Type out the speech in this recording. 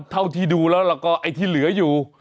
เท่าที่ดูแล้วก็ไอ้ที่เหลืออยู่